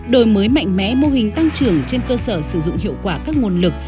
đổi mới mạnh mẽ mô hình tăng trưởng trên cơ sở sử dụng hiệu quả các nguồn lực